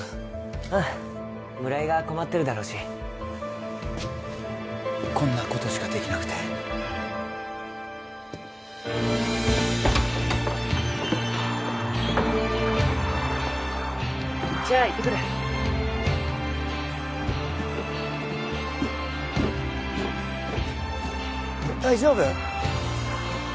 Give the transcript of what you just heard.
うん村井が困ってるだろうしこんなことしかできなくてじゃあ行ってくる大丈夫？